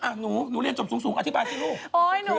หนูเรียนจบสูงอธิบายสิลูก